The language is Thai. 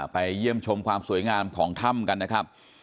ไปเยี่ยมชมความสวยงามของถ้ำกันนะครับ